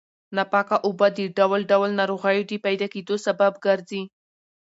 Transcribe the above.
ناپاکه اوبه د ډول ډول ناروغیو د پیدا کېدو سبب ګرځي.